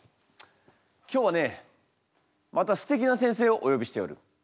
今日はねまたすてきな先生をおよびしておる。